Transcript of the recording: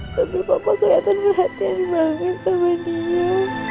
tapi papa keliatan berhati hati banget sama dia